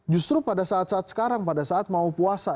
justru pada saat saat sekarang pada saat mau puasa